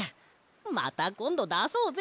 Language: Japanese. またこんどだそうぜ！